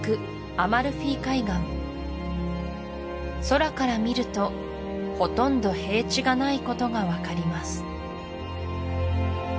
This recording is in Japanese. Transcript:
アマルフィ海岸空から見るとほとんど平地がないことが分かります